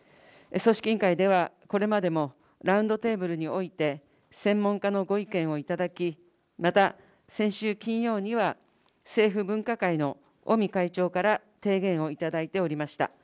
組織委員会では、これまでもラウンドテーブルにおいて専門家のご意見を頂き、また、先週金曜には、政府分科会の尾身会長から提言を頂いておりました。